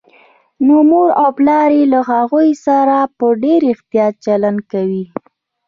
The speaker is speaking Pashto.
نو مور و پلار يې له هغوی سره په ډېر احتياط چلند کوي